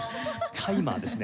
タイマーですね